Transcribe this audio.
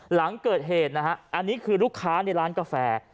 หลังเกิดเหตุนะฮะอันนี้คือลูกค้าในร้านกาแฟ